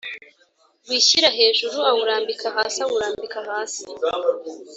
wishyira hejuru awurambika hasi awurambika hasi